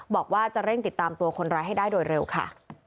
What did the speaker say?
บอกว่าจะเร่งติดตามตัวคนร้ายให้ได้โดยเร็วค่ะ